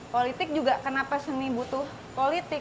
jadi juga kenapa seni butuh politik